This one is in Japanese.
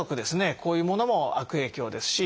こういうものも悪影響ですし。